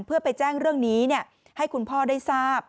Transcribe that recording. เพื่อไปแจ้งเรื่องนี้ให้คุณพ่อได้ทราบ